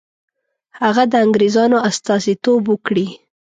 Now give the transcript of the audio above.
هغه د انګرېزانو استازیتوب وکړي.